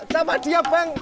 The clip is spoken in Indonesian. coba diam bang